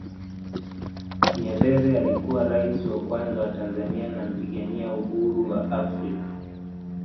nyerere alikuwa raisi wa kwanza wa tanzania na mpigania Uhuru wa africa